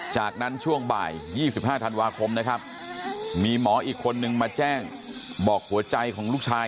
จากนั้นช่วงบ่าย๒๕ธันวาคมนะครับมีหมออีกคนนึงมาแจ้งบอกหัวใจของลูกชาย